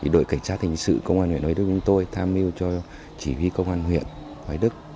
đội cảnh sát thành sự công an huyện ngoại đức của chúng tôi tham mưu cho chỉ huy công an huyện ngoại đức